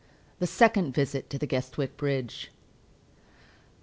THE SECOND VISIT TO THE GUESTWICK BRIDGE.